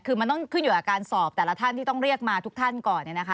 คือมันต้องขึ้นอยู่กับการสอบแต่ละท่านที่ต้องเรียกมาทุกท่านก่อน